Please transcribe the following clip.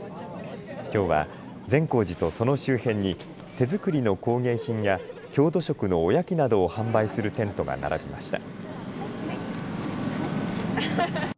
きょうは善光寺とその周辺に手作りの工芸品や郷土食のおやきなどを販売するテントが並びました。